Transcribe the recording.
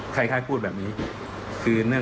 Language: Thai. แม่จะมาเรียกร้องอะไร